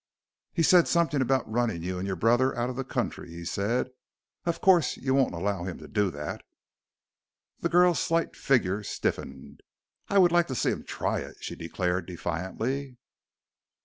"He said something about running you and your brother out of the country," he said; "of course you won't allow him to do that?" The girl's slight figure stiffened. "I would like to see him try it!" she declared defiantly.